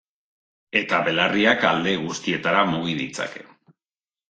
Eta belarriak, alde guztietara mugi ditzake.